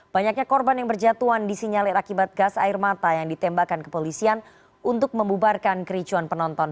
banyaknya korban yang berjatuhan disinyalir akibat gas air mata yang ditembakkan kepolisian untuk membubarkan kericuan penonton